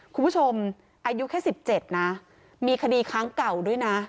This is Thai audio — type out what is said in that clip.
คุณผู้ชมอายุแค่๑๗นะมีคดีค้างเก่าด้วยนะ